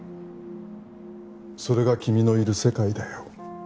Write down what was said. それが君のいる世界だよ。